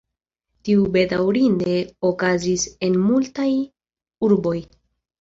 Tio bedaŭrinde okazis en multaj urboj.